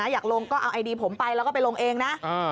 อยากลงก็เอาไอดีผมไปแล้วก็ไปลงเองนะ